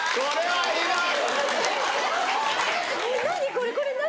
これこれ何？